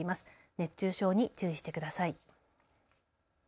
熱中症に注意してください。